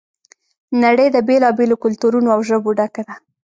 نړۍ د بېلا بېلو کلتورونو او ژبو ډکه ده.